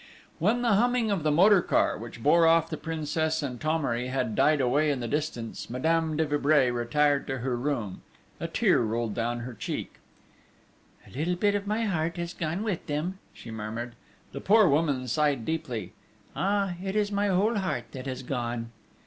When the humming of the motor car, which bore off the Princess and Thomery, had died away in the distance, Madame de Vibray retired to her room. A tear rolled down her cheek: "A little bit of my heart has gone with them," she murmured. The poor woman sighed deeply: "Ah, it is my whole heart that has gone!"